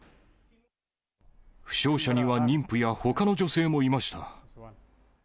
負傷者には妊婦やほかの女性もいました。